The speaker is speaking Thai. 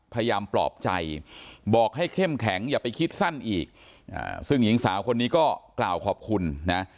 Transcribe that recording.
ปลอบใจบอกให้เข้มแข็งอย่าไปคิดสั้นอีกซึ่งหญิงสาวคนนี้ก็กล่าวขอบคุณนะ